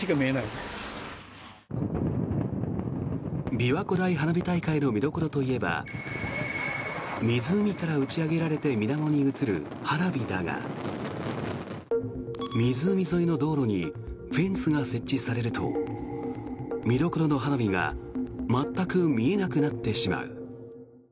びわ湖大花火大会の見どころといえば湖から打ち上げられてみなもに映る花火だが湖沿いの道路にフェンスが設置されると見どころの花火が全く見えなくなってしまう。